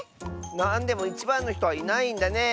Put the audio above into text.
なんでもいちばんのひとはいないんだね。